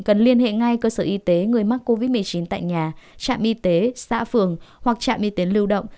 cần liên hệ ngay cơ sở y tế người mắc covid một mươi chín tại nhà trạm y tế xã phường hoặc trạm y tế lưu động